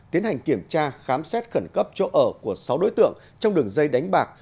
tiến hành kiểm tra khám xét khẩn cấp chỗ ở của sáu đối tượng trong đường dây đánh bạc